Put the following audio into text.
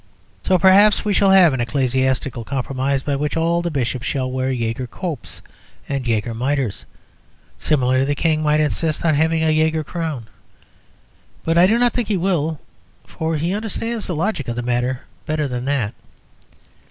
So perhaps we shall have an ecclesiastical compromise by which all the Bishops shall wear Jaeger copes and Jaeger mitres. Similarly the King might insist on having a Jaeger crown. But I do not think he will, for he understands the logic of the matter better than that.